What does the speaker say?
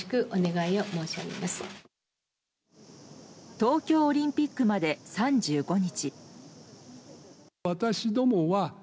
東京オリンピックまで３５日。